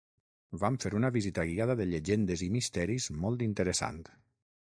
Vam fer una visita guiada de llegendes i misteris molt interessant.